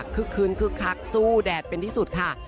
คืนคึกคักสู้แดดเป็นที่สุดค่ะ